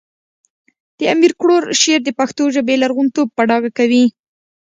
د امیر کروړ شعر د پښتو ژبې لرغونتوب په ډاګه کوي